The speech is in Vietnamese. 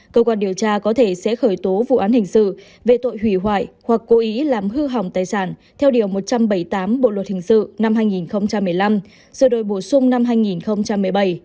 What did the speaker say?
cơ quan điều tra có thể sẽ khởi tố vụ án hình sự về tội hủy hoại hoặc cố ý làm hư hỏng tài sản theo điều một trăm bảy mươi tám bộ luật hình sự năm hai nghìn một mươi năm sửa đổi bổ sung năm hai nghìn một mươi bảy